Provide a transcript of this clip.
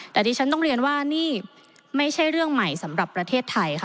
แต่ดิฉันต้องเรียนว่านี่ไม่ใช่เรื่องใหม่สำหรับประเทศไทยค่ะ